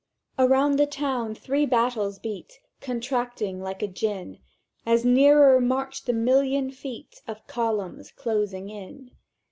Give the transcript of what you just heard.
"Around the town three battles beat, Contracting like a gin; As nearer marched the million feet Of columns closing in.